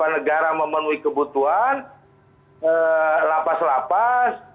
negara memenuhi kebutuhan lapas lapas